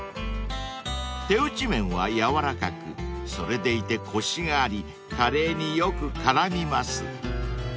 ［手打ち麺は軟らかくそれでいてコシがありカレーによく絡みます］